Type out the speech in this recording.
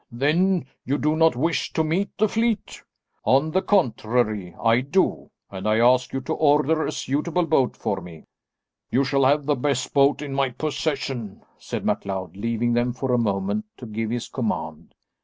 Then you do not wish to meet the fleet." "On the contrary, I do, and I ask you to order a suitable boat for me." "You shall have the best boat in my possession," said MacLeod leaving them for a moment to give his command.